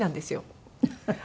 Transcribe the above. フフフフ！